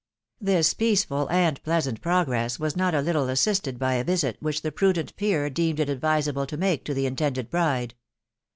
TOmpeaeerai ml pleasant progress was not a little assisted lay a wit Whkfe the pradent pee?* deemed it advisable to make to the intended bride.